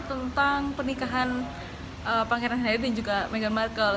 tentang pernikahan pangeran harry dan juga meghan markle